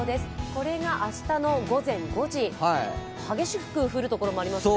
これが明日の午前５時激しく降るところもありますね。